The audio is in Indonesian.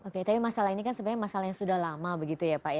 oke tapi masalah ini kan sebenarnya masalah yang sudah lama begitu ya pak